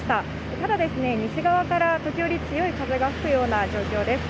ただですね、西側から時折強い風が吹くような状況です。